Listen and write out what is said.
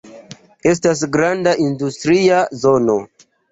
Estas granda industria zono.